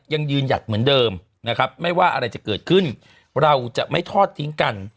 ยังยืนหยัดเหมือนเดิมนะครับไม่ว่าอะไรจะเกิดขึ้นเราจะไม่ทอดทิ้งกัน